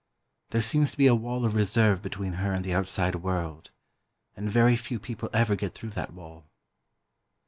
There seems to be a wall of reserve between her and the outside world, and very few people ever get through that wall.